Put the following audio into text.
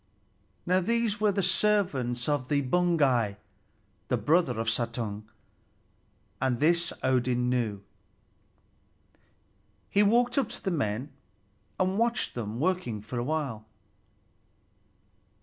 Now these were the servants of Baugi, the brother of Suttung, and this Odin knew. He walked up to the men and watched them working for a little while.